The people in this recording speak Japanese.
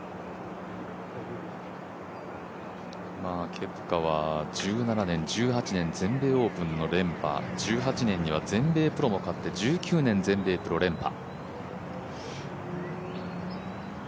ケプカじゃ１７年、１８年、全米オープンの連覇、１８年には全米プロも勝って、１９年、全米プロ連覇。